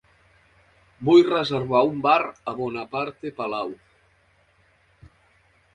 Vull reservar un bar a Bonaparte Palau.